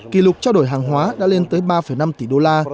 kỷ lục trao đổi hàng hóa đã lên tới ba năm tỷ đô la